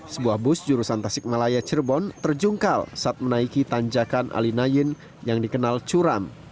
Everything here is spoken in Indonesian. sebuah bus jurusan tasik malaya cirebon terjungkal saat menaiki tanjakan alinayin yang dikenal curam